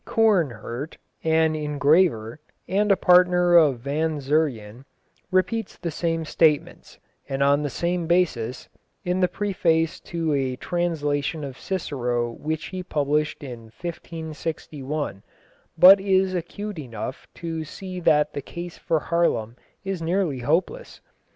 Coornhert, an engraver, and a partner of Van Zuyren, repeats the same statements, and on the same basis, in the preface to a translation of Cicero which he published in 1561, but is acute enough to see that the case for Haarlem is nearly hopeless.